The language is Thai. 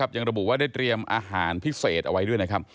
ยังระบุว่าได้เตรียมอาหารพิเศษเอาไว้ด้วยนะครับ